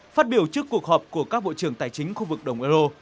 phát biểu trước cuộc họp của các bộ trưởng tài chính khu vực đồng euro